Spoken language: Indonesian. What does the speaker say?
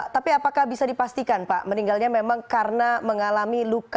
tapi apakah bisa dipastikan pak meninggalnya memang karena mengalami luka